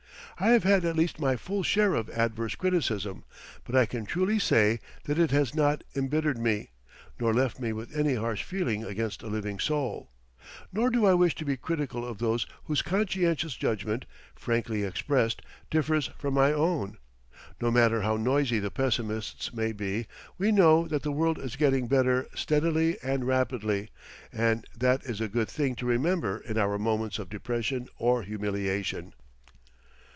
I have had at least my full share of adverse criticism, but I can truly say that it has not embittered me, nor left me with any harsh feeling against a living soul. Nor do I wish to be critical of those whose conscientious judgment, frankly expressed, differs from my own. No matter how noisy the pessimists may be, we know that the world is getting better steadily and rapidly, and that is a good thing to remember in our moments of depression or humiliation.